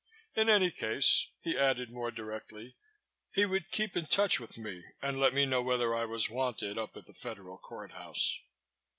In any case, he added more directly, he would keep in touch with me and let me know whether I was wanted up at the Federal Court House.